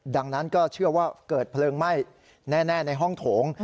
ดังนั้นก็เชื่อว่าเกิดเพลิงไหม้แน่ในห้องโถง